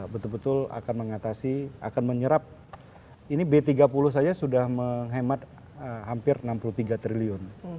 betul betul akan mengatasi akan menyerap ini b tiga puluh saja sudah menghemat hampir enam puluh tiga triliun